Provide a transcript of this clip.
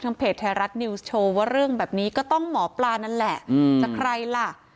เพจไทยรัฐนิวส์โชว์ว่าเรื่องแบบนี้ก็ต้องหมอปลานั่นแหละจะใครล่ะ